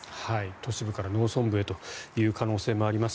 都市部から農村部へという可能性もあります。